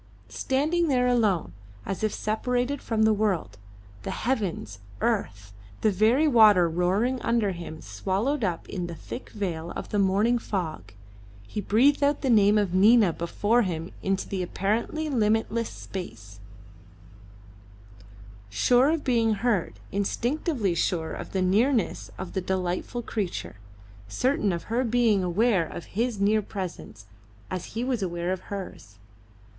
Standing there alone, as if separated from the world; the heavens, earth; the very water roaring under him swallowed up in the thick veil of the morning fog, he breathed out the name of Nina before him into the apparently limitless space, sure of being heard, instinctively sure of the nearness of the delightful creature; certain of her being aware of his near presence as he was aware of hers.